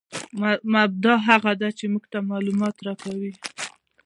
مبتداء هغه ده، چي موږ ته معلومات راکوي.